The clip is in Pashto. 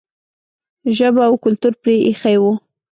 ژبه او کلتور پرې ایښی و.